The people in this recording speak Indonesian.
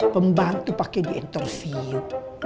pembantu pake di interview